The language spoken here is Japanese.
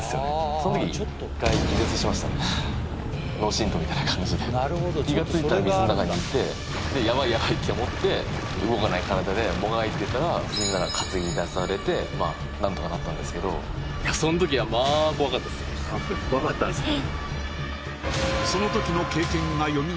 その時一回気絶しましたね脳震とうみたいな感じで気がついたら水の中にいてヤバいヤバいって思って動かない体でもがいてたらみんなが担ぎ出されてまあ何とかなったんですけど怖かったんですか